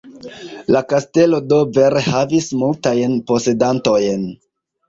La kastelo do vere havis multajn posedantojn.